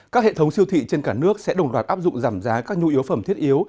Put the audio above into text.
các hệ thống siêu thị trên cả nước sẽ đồng loạt áp dụng giảm giá các nhu yếu phẩm thiết yếu